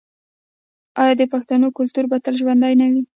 آیا د پښتنو کلتور به تل ژوندی نه وي؟